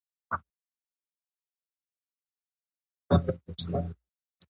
سیکواران او ډيموکراټان دین د ژوند جزء بولي.